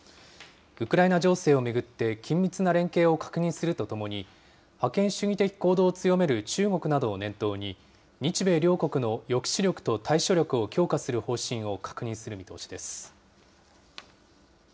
ウクライナ情勢を巡って緊密な連携を確認するとともに、覇権主義的行動を強める中国などを念頭に、日米両国の抑止力と対処力を強化する方針を確認する見通しです。